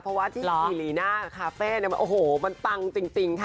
เพราะว่าที่อีรีน่าคาเฟ่มันตั้งจริงค่ะ